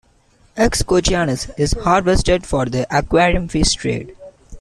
"X. couchianus" is harvested for the aquarium fish trade.